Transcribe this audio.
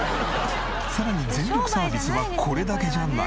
さらに全力サービスはこれだけじゃない。